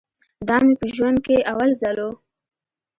دا مې په ژوند کښې اول ځل و.